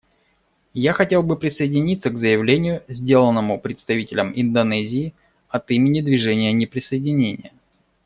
Я хотел бы присоединиться к заявлению, сделанному представителем Индонезии от имени Движения неприсоединения.